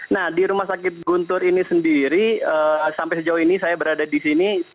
nah di rumah sakit guntur ini sendiri sampai sejauh ini saya berada di sini